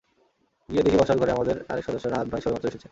গিয়ে দেখি বসার ঘরে আমাদের আরেক সদস্য রাহাত ভাই সবেমাত্র এসেছেন।